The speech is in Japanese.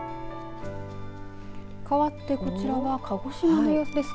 かわってこちらは鹿児島の様子です。